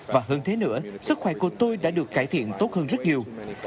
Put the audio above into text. và hơn thế nữa sức khỏe của tôi đã được cải thiện tốt hơn rất nhiều